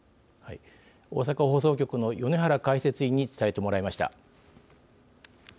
大阪放送局の米原解説委員に伝えてもらいました。